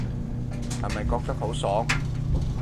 係咪覺得好爽